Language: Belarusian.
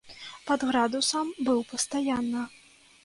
Пад градусам быў пастаянна.